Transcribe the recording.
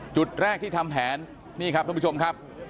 จุดแรกที่ทำแผนนี่ครับท่านผู้ชมครับ